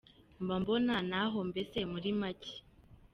Mba mbona naho mbese muri macye.